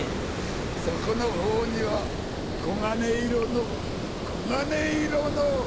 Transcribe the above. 底の方には黄金色の黄金色の。